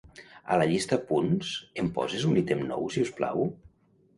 A la llista "punts", em poses un ítem nou, si us plau?